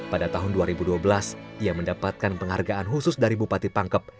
pada tahun dua ribu dua belas ia mendapatkan penghargaan khusus dari bupati pangkep